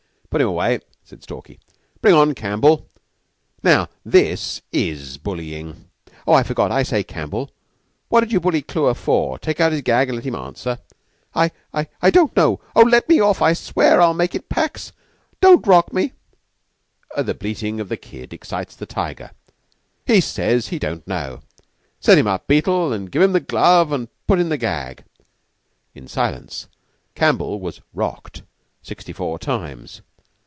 "Put him away," said Stalky. "Bring on Campbell. Now this is bullyin'. Oh, I forgot! I say, Campbell, what did you bully Clewer for? Take out his gag and let him answer." "I I don't know. Oh, let me off! I swear I'll make it pax. Don't 'rock' me!" "'The bleatin' of the kid excites the tiger.' He says he don't know. Set him up, Beetle. Give me the glove an' put in the gag." In silence Campbell was "rocked" sixty four times.